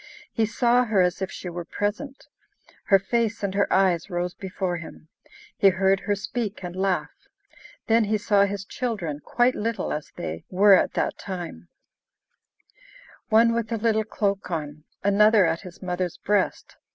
He saw her as if she were present; her face and her eyes rose before him; he heard her speak and laugh. Then he saw his children, quite little, as they were at that time: one with a little cloak on, another at his mother's breast.